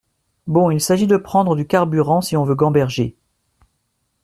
Bon, s’agit de prendre du carburant, si on veut gamberger.